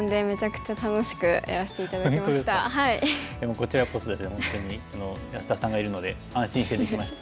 こちらこそ本当に安田さんがいるので安心してできました。